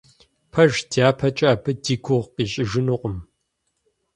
Пэжщ, дяпэкӀэ абы ди гугъу къищӀыжынукъым.